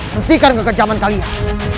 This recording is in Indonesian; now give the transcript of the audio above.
hentikan kekejaman kalian